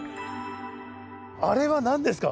あれは何ですか？